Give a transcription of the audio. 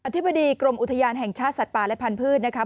ธิบดีกรมอุทยานแห่งชาติสัตว์ป่าและพันธุ์นะครับ